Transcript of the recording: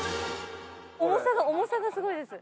重さが重さがすごいです。